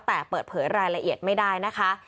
แต่เปิดเผยรายละเอียดไม่ได้นะคะ